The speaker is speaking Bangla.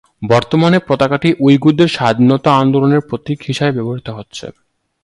বর্তমানে পতাকাটি উইঘুরদের স্বাধীনতা আন্দোলনের প্রতীক হিসেবে ব্যবহৃত হচ্ছে।